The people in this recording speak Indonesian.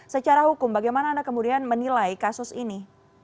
secara hukum bagaimana anda kemudian menilai kasus ini